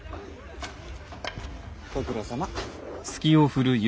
ご苦労さま。